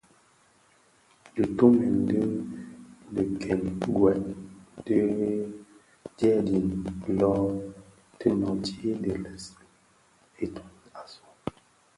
Dhitumèn di dhi kèn gwed dyèdin lō, ti nooti dhi lèèsi itoki asu.